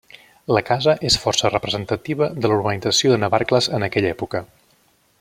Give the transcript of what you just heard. La casa és força representativa de la urbanització de Navarcles en aquella època.